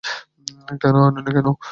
কেন, আনোনি কেন?